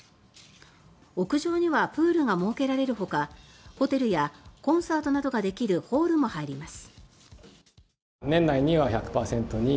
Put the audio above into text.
屋上にはプールが設けられるほかホテルやコンサートなどができるホールも入ります。